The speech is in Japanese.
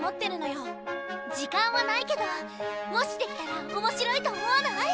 時間はないけどもしできたら面白いと思わない？